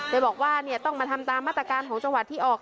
โดยบอกว่าต้องมาทำตามมาตรการของจังหวัดที่ออก